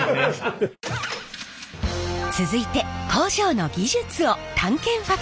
続いて工場の技術を探検ファクトリー！